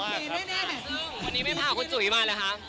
วันนี้ไม่พากับคุณจุยมาหรือคะ